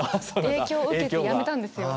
影響受けてやめたんですよ。